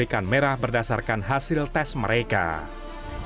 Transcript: ketika pancasila berjalan ke jawa tenggara pancasila berjalan ke jawa tenggara